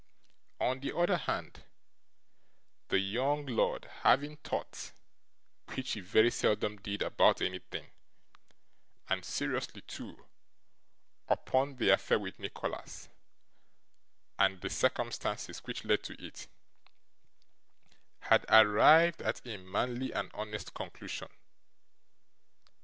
On the other hand, the young lord having thought which he very seldom did about anything and seriously too, upon the affair with Nicholas, and the circumstances which led to it, had arrived at a manly and honest conclusion.